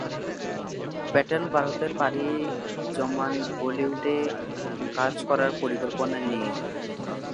প্যাটেল ভারতে পাড়ি জমান বলিউডে কাজ করার পরিকল্পনা নিয়ে।